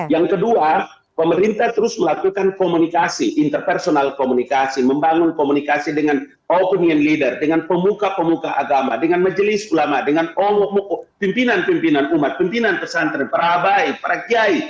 yang kedua pemerintah terus melakukan komunikasi interpersonal komunikasi membangun komunikasi dengan opinion leader dengan pemuka pemuka agama dengan majelis ulama dengan pimpinan pimpinan umat pimpinan pesantren perabai para kiai